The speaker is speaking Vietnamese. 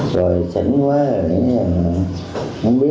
rồi chẳng hỏi là gì